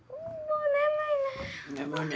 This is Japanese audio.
ん眠いね。